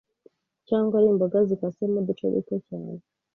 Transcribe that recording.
cg ari mboga zikasemo uduce duto cyane